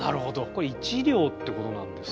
これ１両ってことなんですかね？